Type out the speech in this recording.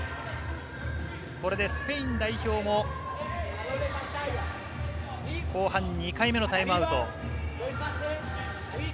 これでスペイン代表も後半２回目のタイムアウト。